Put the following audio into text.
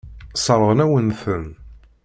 Sseṛɣen-awen-ten.